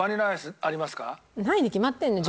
ないに決まってんじゃん。